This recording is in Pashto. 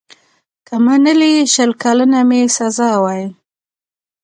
که منلې شل کلنه مي سزا وای